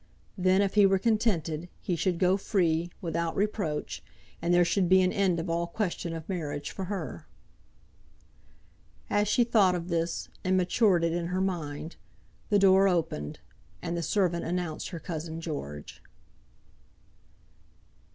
Then, if he were contented, he should go free, without reproach, and there should be an end of all question of marriage for her. As she thought of this, and matured it in her mind, the door opened, and the servant announced her cousin George.